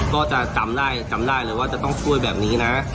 ก็จะจำได้จำได้เลยว่าจะต้องช่วยแบบนี้นะ